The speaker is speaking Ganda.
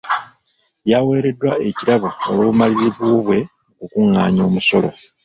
Yaweereddwa ekirabo olw'obumalirivu bwe mu kukungaanya omusolo.